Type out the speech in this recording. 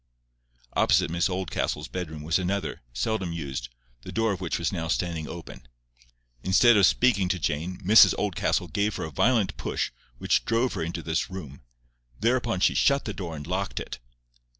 Opposite Miss Oldcastle's bedroom was another, seldom used, the door of which was now standing open. Instead of speaking to Jane, Mrs Oldcastle gave her a violent push, which drove her into this room. Thereupon she shut the door and locked it.